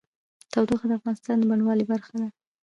تودوخه د افغانستان د بڼوالۍ برخه ده.